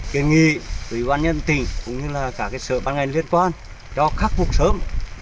kiên nghị với quan nhân tỉnh cũng như là cả cái sở ban ngành liên quan cho khắc phục sớm